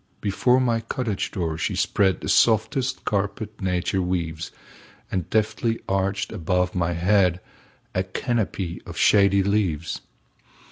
Before my cottage door she spreadThe softest carpet nature weaves, And deftly arched above my headA canopy of shady leaves.